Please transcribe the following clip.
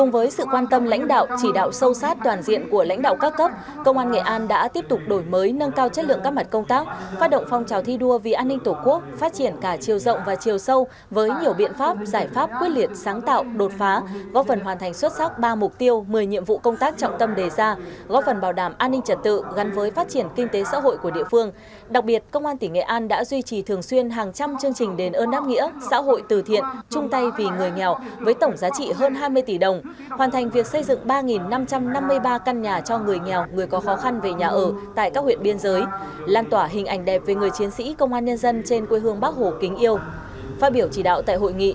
với sự lãnh đạo toàn diện của đảng ủy công an trung ương tỉnh ủy ủy ban nhân dân tỉnh nghệ an